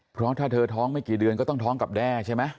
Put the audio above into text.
เพราะถ้าเธอท้องไม่กี่เดือนก็ต้องท้องกับแด้ใช่ไหม